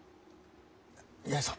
八重さん。